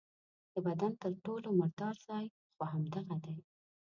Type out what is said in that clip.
د بدن تر ټولو مردار ځای خو همدغه دی.